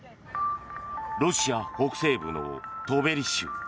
ロシア北西部のトベリ州。